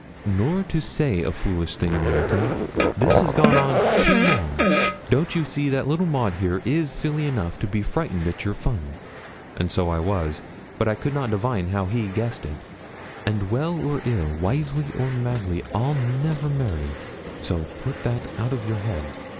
'Nor to say a foolish thing, Monica. This has gone on too long. Don't you see that little Maud here is silly enough to be frightened at your fun.' So I was, but I could not divine how he guessed it. 'And well or ill, wisely or madly, I'll never marry; so put that out of your head.'